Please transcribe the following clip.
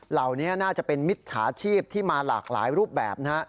เหล่านี้น่าจะเป็นมิจฉาชีพที่มาหลากหลายรูปแบบนะฮะ